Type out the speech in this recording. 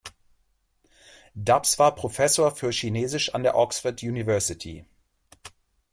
Dubs war Professor für Chinesisch an der Oxford University.